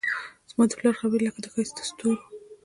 زما د پلار خبرې لکه ښایست دستورو